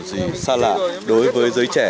gì xa lạ đối với giới trẻ